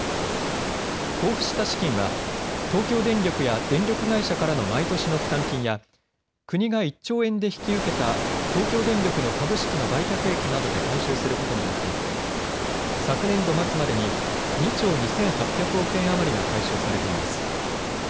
交付した資金は東京電力や電力会社からの毎年の負担金や国が１兆円で引き受けた東京電力の株式の売却益などで回収することになっていて昨年度末までに２兆２８００億円余りが回収されています。